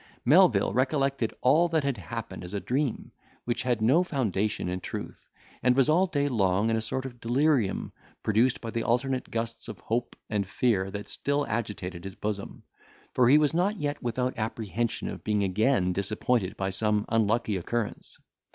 Melvil recollected all that had happened as a dream, which had no foundation in truth, and was all day long in a sort of delirium, produced by the alternate gusts of hope and fear that still agitated his bosom; for he was not yet without apprehension of being again disappointed by some unlucky occurrence.